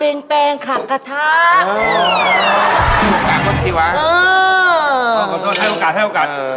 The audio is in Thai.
โอ้ขอโทษให้โอกาส